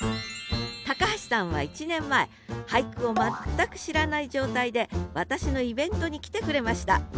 橋さんは１年前俳句を全く知らない状態で私のイベントに来てくれました。